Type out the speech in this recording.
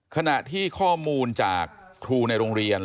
ขณะที่ข้อมูลจากครูในโรงเรียน